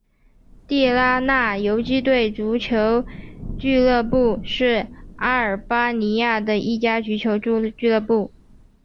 地拉那游击队足球俱乐部是阿尔巴尼亚的一家足球俱乐部。